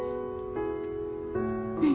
うん。